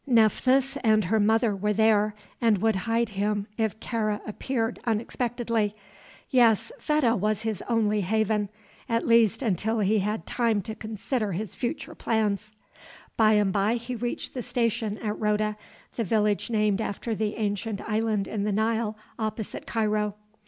Nephthys and her mother were there, and would hide him if Kāra appeared unexpectedly. Yes, Fedah was his only haven at least until he had time to consider his future plans. By and by he reached the station at Roda the village named after the ancient island in the Nile opposite Cairo.